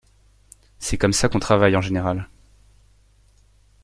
C'est comme ça qu'on travaille en général.